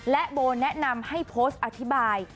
และโบแนะนำให้โพสต์อธิบาย